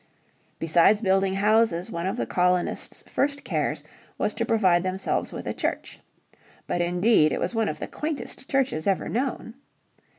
Besides building houses one of the colonists' first cares was to provide themselves with a church. But indeed it was one of the quaintest churches ever known.